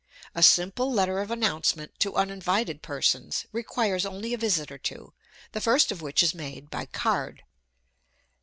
A simple letter of announcement to uninvited persons, requires only a visit or two; the first of which is made by card.